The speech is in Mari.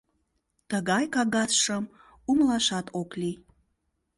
Тыгай кагазшым умылашат ок лий.